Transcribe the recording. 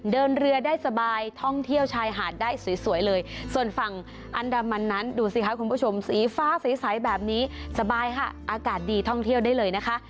เดินเรือได้สบายท่องเที่ยวชายหาดได้สวยเลยส่วนฝั่งอันดามันนั้นดูสิคะคุณผู้ชมสีฟ้าใสแบบนี้สบายค่ะอากาศดีท่องเที่ยวได้เลยนะคะ